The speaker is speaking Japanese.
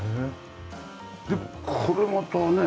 でこれまたね。